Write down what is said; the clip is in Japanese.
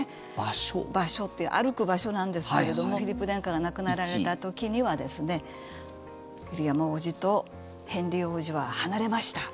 場所って歩く場所なんですけれどもフィリップ殿下が亡くなられた時にはウィリアム王子とヘンリー王子は離れました。